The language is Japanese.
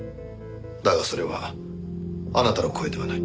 だがそれはあなたの声ではない。